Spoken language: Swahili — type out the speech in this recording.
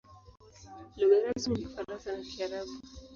Lugha rasmi ni Kifaransa na Kiarabu.